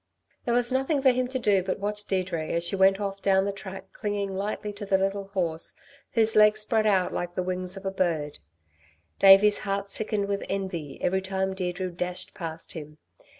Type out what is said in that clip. There was nothing for him to do but watch Deirdre as she went off down the track clinging lightly to the little horse whose legs spread out like the wings of a bird. Davey's heart sickened with envy every time Deirdre dashed past him.